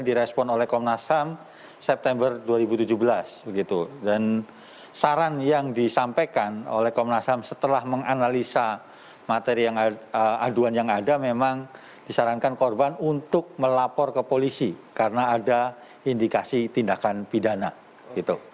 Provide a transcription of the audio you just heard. direspon oleh komnas ham september dua ribu tujuh belas begitu dan saran yang disampaikan oleh komnas ham setelah menganalisa materi aduan yang ada memang disarankan korban untuk melapor ke polisi karena ada indikasi tindakan pidana gitu